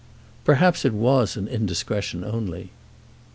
"Perhaps it was an indiscretion only."